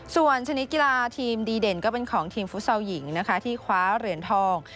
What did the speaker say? ส่วนชนิดกีฬาทีมดีเด่นก็เป็นของทีมฟุตซอลหญิงนะคะที่คว้าเหรียญทอง